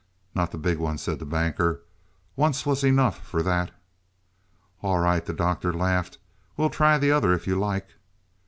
"Not the big one," said the Banker. "Once was enough for that." "All right," the Doctor laughed. "We'll try the other if you like."